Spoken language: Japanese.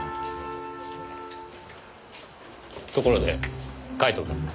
ところでカイトくん。